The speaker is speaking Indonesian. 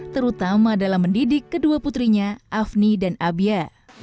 terutama dalam mendidik kedua putrinya afni dan abia